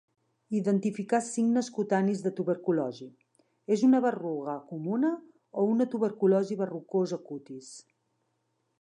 Identificar signes cutanis de tuberculosi: és una berruga comuna o una tuberculosi verrucosa cutis?